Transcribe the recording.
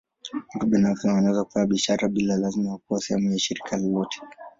Watu binafsi wanaweza kufanya biashara bila lazima ya kuwa sehemu ya shirika lolote.